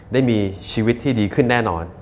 ได้มีชีวิตที่ดีขึ้นแน่นอน